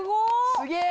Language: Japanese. すげえ！